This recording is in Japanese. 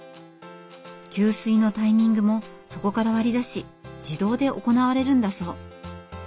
給水のタイミングもそこから割り出し自動で行われるんだそう。